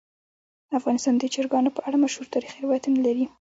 افغانستان د چرګانو په اړه مشهور تاریخی روایتونه لري.